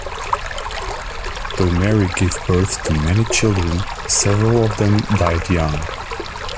Though Mary gave birth to many children, several of them died young.